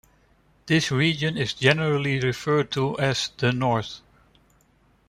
This region is generally referred to as "The North".